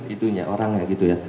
itunya orangnya gitu ya